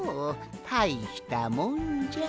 たいしたもんじゃ。